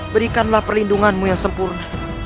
berikanlah perlindunganmu yang sempurna